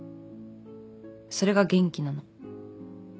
それが元気なの。